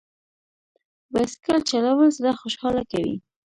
بایسکل چلول زړه خوشحاله کوي.